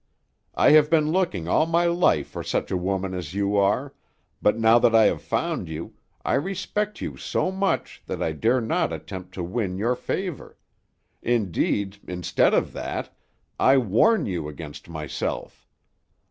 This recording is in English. I have been looking all my life for such a woman as you are, but now that I have found you, I respect you so much that I dare not attempt to win your favor; indeed, instead of that, I warn you against myself.